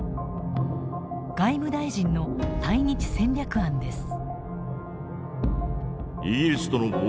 外務大臣の対日戦略案です。